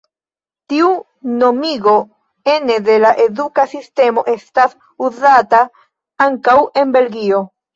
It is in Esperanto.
Tiu nomigo ene de la eduka sistemo estas uzata ankaŭ en Belgio.